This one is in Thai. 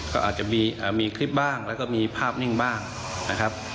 ก็อาจจะมีคลิปบ้างแล้วก็มีภาพนิ่งบ้างนะครับ